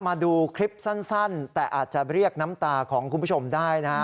มาดูคลิปสั้นแต่อาจจะเรียกน้ำตาของคุณผู้ชมได้นะฮะ